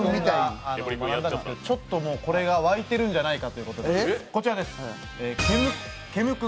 ちょっともう、これがわいてるんじゃないかということで。